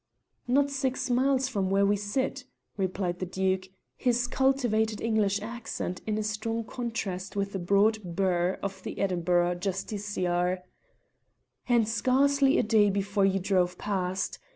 "Not six miles from where we sit," replied the Duke, his cultivated English accent in a strong contrast with the broad burr of the Edinburgh justiciar, "and scarcely a day before you drove past.